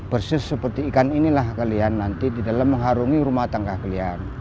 persis seperti ikan inilah kalian nanti di dalam mengharungi rumah tangga kalian